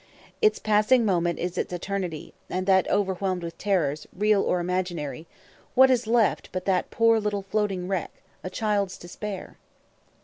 Its passing moment is its eternity; and that overwhelmed with terrors, real or imaginary, what is left but that poor little floating wreck, a child's despair?